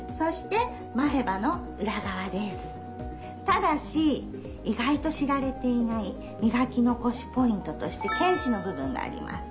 ただし意外と知られていないみがき残しポイントとして犬歯の部分があります。